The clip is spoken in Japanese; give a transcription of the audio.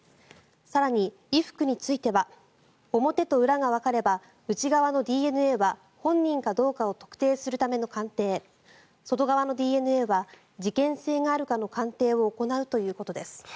更に、衣服については表と裏がわかれば内側のＤＮＡは本人かどうかを特定するための鑑定外側のＤＮＡは事件性があるかの鑑定を行うということです。